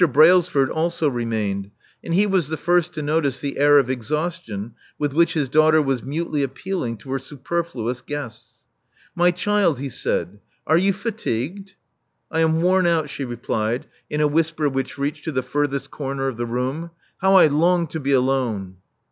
Brailsford also remained; and he was the first to notice the air of exhaustion with which his daughter was mutely appealing to her superfluous guests. My child," he said: are you fatigued?" I am worn out," she replied, in a whisper which 424 Love Among the Artists reached the furthest corner of the room. How I long to be alone!"